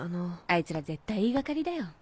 あいつら絶対言い掛かりだよ。